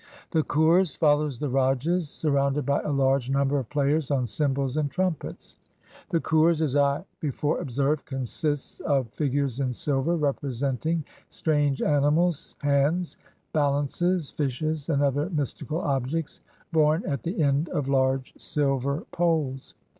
The Cours follows the Rajahs, surrounded by a large number of players on cymbals and trumpets. The 140 ON THE MARCH WITH AURUNGZEBE CourSj as I before observed, consists of figures in silver, representing strange animals, hands, balances, fishes, and other mystical objects, borne at the end of large silver poles.